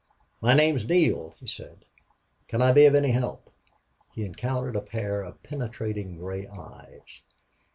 "My name's Neale," he said. "Can I be of any help?" He encountered a pair of penetrating gray eyes.